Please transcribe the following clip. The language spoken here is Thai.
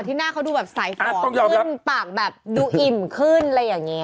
หน้าเขาดูแบบสายฝ่อขึ้นปากแบบดูอิ่มขึ้นอะไรอย่างนี้